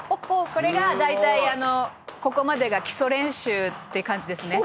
「これが大体ここまでが基礎練習って感じですね」